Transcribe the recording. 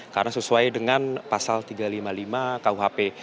karena sesuai dengan pasal tiga ratus lima puluh lima kuhp